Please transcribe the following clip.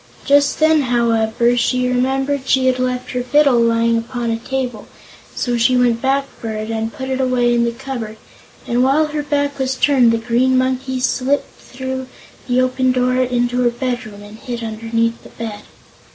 Just then, however, she remembered she had left her fiddle lying upon a table, so she went back for it and put it away in the cupboard, and while her back was turned the Green Monkey slipped through the open door into her bedroom and hid underneath the bed.